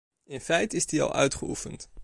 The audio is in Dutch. In feite is die al uitgeoefend.